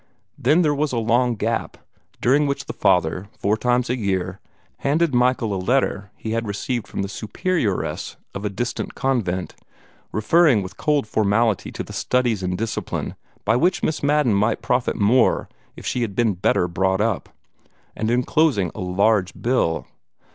Then there was a long gap, during which the father, four times a year, handed Michael a letter he had received from the superioress of a distant convent, referring with cold formality to the studies and discipline by which Miss Madden might profit more if she had been better brought up, and enclosing a large bill.